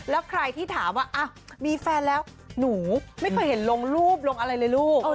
แล้วใครที่ถามว่ามีแฟนแล้วหนูไม่เคยเห็นลงรูปลงอะไรเลยลูก